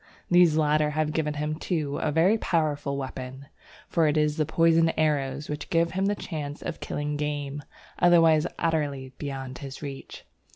These latter have given him, too, a very powerful weapon, for it is the poisoned arrows which give him the chance of killing game, otherwise utterly beyond his reach.